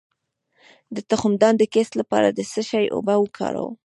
د تخمدان د کیست لپاره د څه شي اوبه وکاروم؟